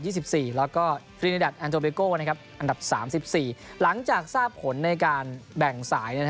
ยี่สิบสี่แล้วก็ริ้ลอันโทเบิมนะครับอันดับสามสิบสี่หลังจากทราบผลในการแบ่งสายใน